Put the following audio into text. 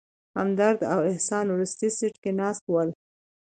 همدرد او احسان وروستي سیټ کې ناست ول.